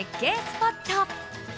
スポット